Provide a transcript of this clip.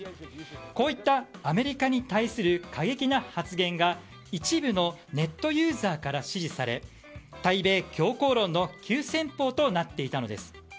こういったアメリカに対する過激な発言が一部のネットユーザーから支持され対米強硬論の急先鋒となっていたのです。